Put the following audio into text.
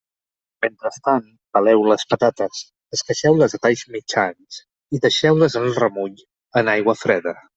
Mentrestant peleu les patates, esqueixeu-les a talls mitjans i deixeu-les en remull en aigua freda.